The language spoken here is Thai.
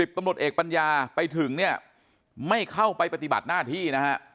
๑๐ตำรวจเอกปัญญาไปถึงไม่เข้าไปปฏิบัติหน้าที่